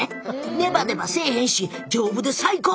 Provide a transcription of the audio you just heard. ネバネバせえへんし丈夫で最高。